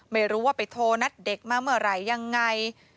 ไม่รู้ว่าไปโทรนัดเด็กมาเมื่อไหร่ยังไง